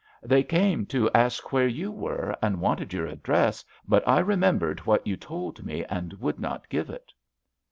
"They came to ask where you were, and wanted your address, but I remembered what you told me and would not give it."